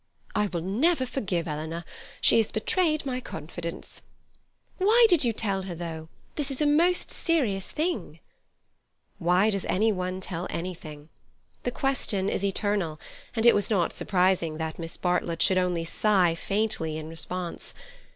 "I will never forgive Eleanor. She has betrayed my confidence." "Why did you tell her, though? This is a most serious thing." Why does any one tell anything? The question is eternal, and it was not surprising that Miss Bartlett should only sigh faintly in response.